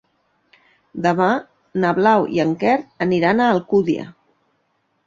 Demà na Blau i en Quer aniran a Alcúdia.